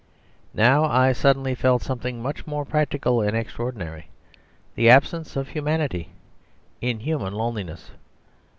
Now I suddenly felt something much more practical and extraordinary the absence of humanity: inhuman loneliness.